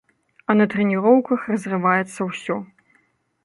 А на трэніроўках разрываецца ўсё.